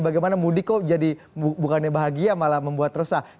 bagaimana mudik kok jadi bukannya bahagia malah membuat resah